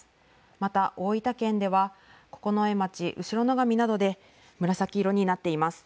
また大分県では九重町後野上などで紫色になっています。